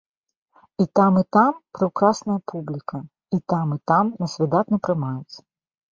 І там, і там прыўкрасная публіка, і там, і там нас выдатна прымаюць.